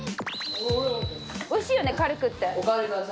おいしいよね軽くって。